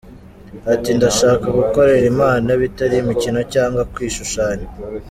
Ati “Ndashaka gukorera Imana bitari imikino cyangwa kwishushanya.